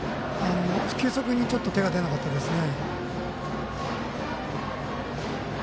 球速にちょっと手が出なかったですね。